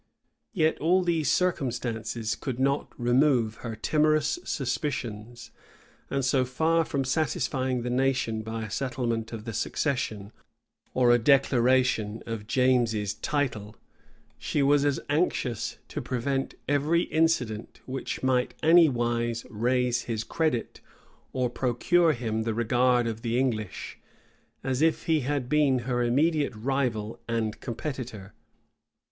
Yet all these circumstances could not remove her timorous suspicions; and so far from satisfying the nation by a settlement of the succession, or a declaration of James's title, she was as anxious to prevent every incident which might anywise raise his credit, or procure him the regard of the English, as if he had been her immediate rival and competitor.